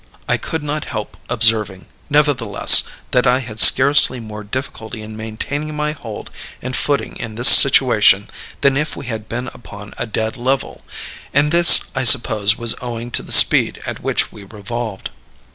"I could not help observing, nevertheless, that I had scarcely more difficulty in maintaining my hold and footing in this situation than if we had been upon a dead level; and this, I suppose, was owing to the speed at which we revolved.